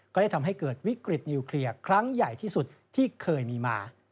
ก็ได้ทำให้เกิดวิกฤตนิวเคลียร์ครั้งใหญ่ที่สุดที่เคยมีมา